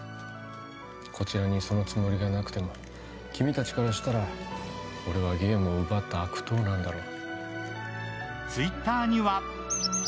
こちらにそのつもりがなくても君たちからしたら俺はゲームを奪った悪党なんだろう。